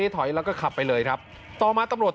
ถอยแล้วก็ขับไปเลยครับต่อมาตำรวจ